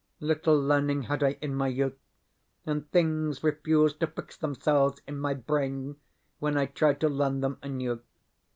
Little learning had I in my youth, and things refuse to fix themselves in my brain when I try to learn them anew.